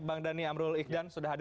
bang dhani amrul ikhdan